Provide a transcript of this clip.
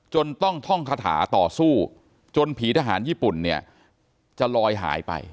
จนต้องท่องคาถาต่อสู้จนผีทหารญี่ปุ่นเนี่ยจะลอยหายไป